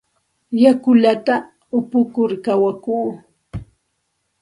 Yakullata upukur kawakuu.